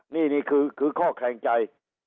นี่คือข้อแขลงใจ